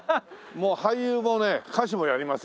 俳優もね歌手もやりますんで。